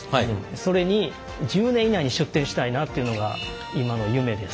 それに１０年以内に出展したいなというのが今の夢です。